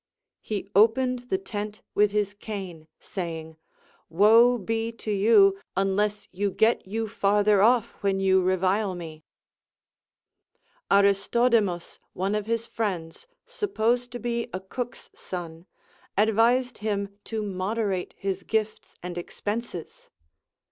He opened the tent Avitli his cane, saying : Woe be to you, unless you get you farther off when you revile me. Aristodemus, one of his friends, supposed to be a cook's son, advised him to moderate his gifts and expenses.